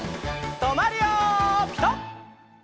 とまるよピタ！